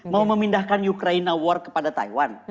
mau memindahkan ukraine award kepada taiwan